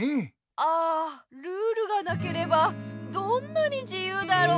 ああルールがなければどんなにじゆうだろう。